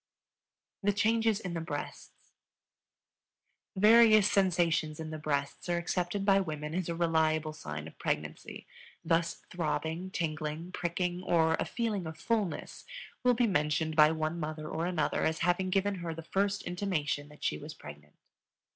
The Changes in the Breasts. Various sensations in the breasts are accepted by women as a reliable sign of pregnancy; thus throbbing, tingling, pricking, or a feeling of fullness will be mentioned by one mother or another as having given her the first intimation that she was pregnant.